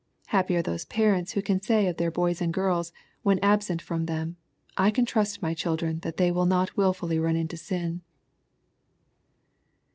Happy are those parents who can say of their boys and girls, when absent from them, " I can trust my children that they will not wilfully run into sin."